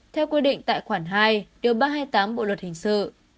theo quy định tại khoản hai điều ba trăm hai mươi tám bộ luật hình sự